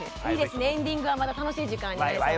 エンディングはまた楽しい時間になりそう。